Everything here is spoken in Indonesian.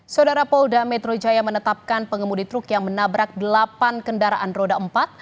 saudara polda metro jaya menetapkan pengemudi truk yang menabrak delapan kendaraan roda empat